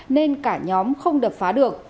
nên cả nhóm không đập phá được